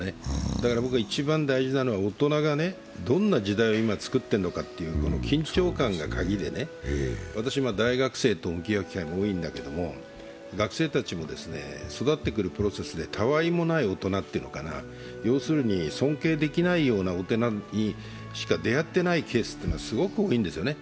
だから僕は一番大事なのは大人がどんな時代を作ってるのか、緊張感がカギでね、私、大学生と向き合うことが多いんだけども学生たちも育ってくるプロセスでたわいもない大人というのかな、要するに尊敬できないような大人にしか出会ってないケースがすごく多いんですね。